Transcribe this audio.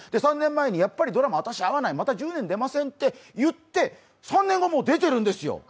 ３年前に、やっぱりドラマ私合わない、また１０年出ませんと言って３年後、もう出ているんですよ！